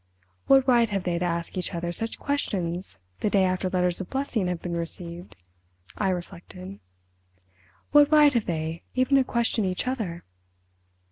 "What right have they to ask each other such questions the day after letters of blessing have been received?" I reflected. "What right have they even to question each other?